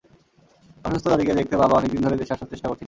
অসুস্থ দাদিকে দেখতে বাবা অনেক দিন ধরে দেশে আসার চেষ্টা করছিলেন।